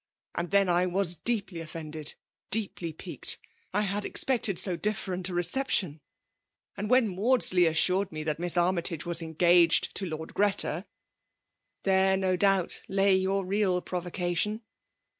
And then I was deeply offended, deeply piqued ; I had expected so different a reception ! An^ when Maudslcy assured me that Miss Anny tage was engaged to Lord Greta —"There, no doubt, lay yoilr real provoca tion."